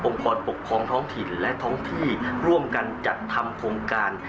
กรปกครองท้องถิ่นและท้องที่ร่วมกันจัดทำโครงการ